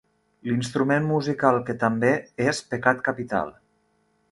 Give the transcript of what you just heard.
L'instrument musical que també és pecat capital.